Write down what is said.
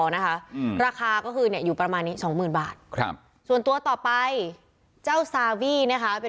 นี่นี่นี่นี่นี่นี่นี่นี่นี่นี่นี่